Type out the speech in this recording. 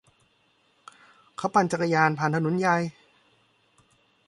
เขาปั่นจักรยานผ่านถนนใหญ่